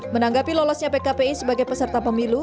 menanggapi lolosnya pkpi sebagai peserta pemilu